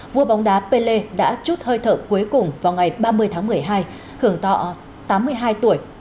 vua bóng đá pelle đã chút hơi thở cuối cùng vào ngày ba mươi tháng một mươi hai hưởng thọ tám mươi hai tuổi